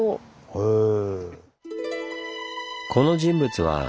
へえ。